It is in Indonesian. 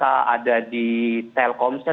ada di telkomsel